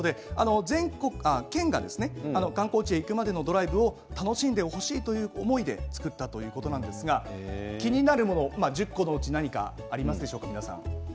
県が観光地へ行くまでのドライブを楽しんでほしいという思いで作ったということなんですが気になるもの１０個のうち、何かありますか。